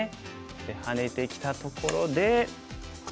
でハネてきたところで黒番。